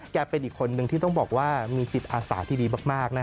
เป็นอีกคนนึงที่ต้องบอกว่ามีจิตอาสาที่ดีมาก